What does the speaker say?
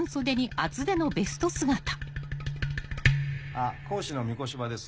あっ講師の御子柴です